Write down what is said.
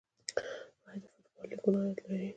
آیا د فوټبال لیګونه عاید لري؟